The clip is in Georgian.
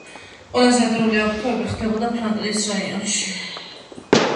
ყველაზე ადრეული ამოფრქვევები ხდებოდა ფრანკლინის რაიონში.